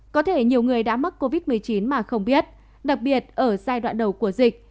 có thể nhiều người đã mắc covid một mươi chín mà không biết đặc biệt ở giai đoạn đầu của dịch